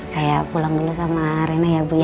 saya pulang dulu sama rena ya bu ya